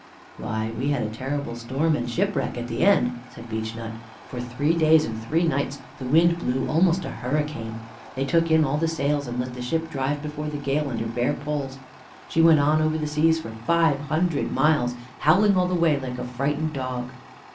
"Why, we had a terrible storm and shipwreck at the end," said Beechnut. "For three days and three nights the wind blew almost a hurricane. They took in all the sails, and let the ship drive before the gale under bare poles. She went on over the seas for five hundred miles, howling all the way like a frightened dog."